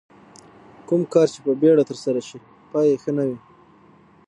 کوم کار چې په بیړه ترسره شي پای یې ښه نه وي.